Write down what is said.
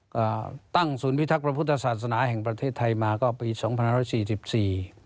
ก็ตั้งศูนย์พิทักษ์ประพุทธศาสนาแห่งประเทศไทยมาก็ปี๒๔๔๔